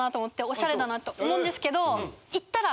おしゃれだなと思うんですけど。